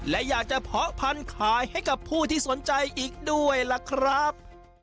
และอยากจะเพาะพันธุ์ขายให้กับผู้ที่สนใจอีกด้วยล่ะครับ